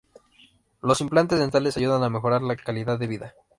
Los implantes dentales ayudan a mejorar la calidad de vida.